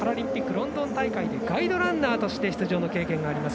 ロンドン大会でガイドランナーとして出場の経験があります